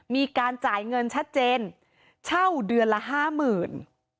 มีการจ่ายเงินชัดเจนเช่าเดือนละห้าหมื่น